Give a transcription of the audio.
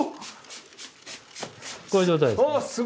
こういう状態です。